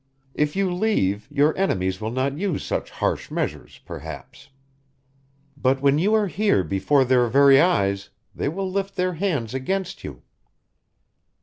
If you leave, your enemies will not use such harsh measures, perhaps. But when you are here before their very eyes, they will lift their hands against you!"